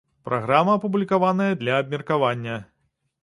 Праграма апублікаваная для абмеркавання.